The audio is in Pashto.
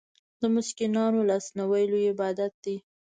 د مسکینانو لاسنیوی لوی عبادت دی.